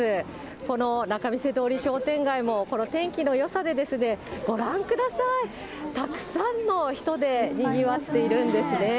この仲見世通り商店街も、この天気のよさで、ご覧ください、たくさんの人でにぎわっているんですね。